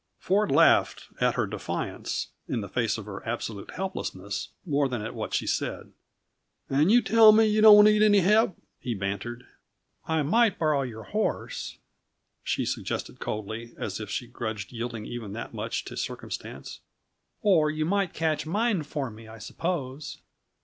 Ford laughed at her defiance, in the face of her absolute helplessness, more than at what she said. "And you tell me you don't need any help?" he bantered. "I might borrow your horse," she suggested coldly, as if she grudged yielding even that much to circumstance. "Or you might catch mine for me, I suppose."